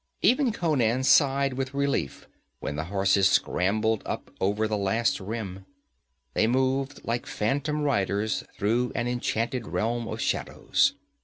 Even Conan sighed with relief when the horses scrambled up over the last rim. They moved like phantom riders through an enchanted realm of shadows.